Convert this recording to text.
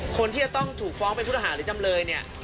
คนที่จะต้องถูกฟ้องเป็นผู้ต้องหาหรือจำเลยเนี่ย